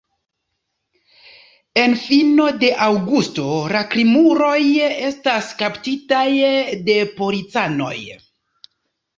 En fino de aŭgusto la krimuloj estas kaptitaj de policanoj.